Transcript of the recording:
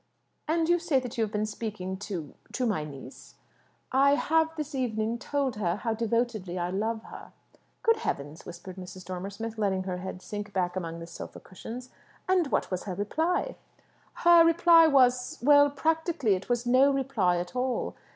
"And you say that you have been speaking to to my niece?" "I have this evening told her how devotedly I love her." "Good heavens!" whispered Mrs. Dormer Smith, letting her head sink back among the sofa cushions. "And what was her reply?" "Her reply was well, practically, it was no reply at all.